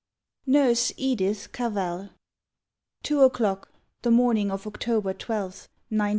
NURSE EDITH CAVELL Two o'clock, the morning of October 12th, 1915.